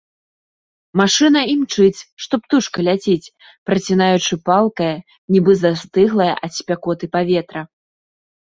Машына імчыць, што птушка ляціць, працінаючы палкае, нібы застыглае ад спякоты паветра.